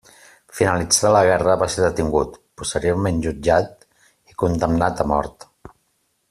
Finalitzada la guerra va ser detingut, posteriorment jutjat i condemnat a mort.